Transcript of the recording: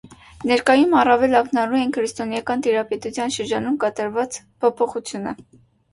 Ներկայում առավել ակնառու են քրիստոնեական տիրապետության շրջանում կատարված փոփոխությունները։